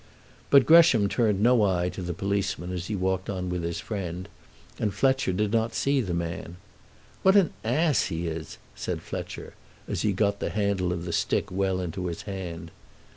But Gresham turned no eye to the policeman as he walked on with his friend, and Fletcher did not see the man. "What an ass he is!" said Fletcher, as he got the handle of the stick well into his hand.